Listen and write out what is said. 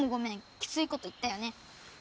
きついこと言ったよね。